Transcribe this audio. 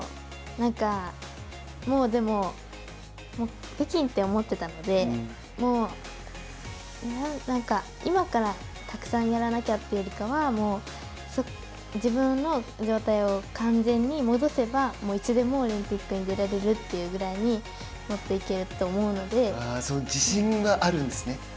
なんかもうでも北京って思ってたので今からたくさんやらなきゃというよりかは自分の状態を完全に戻せばいつでもオリンピックに出られるというぐらいに自信があるんですね。